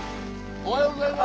おはようございます。